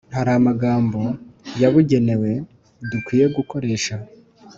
hari amagambo yabugenewe dukwiye gukoresha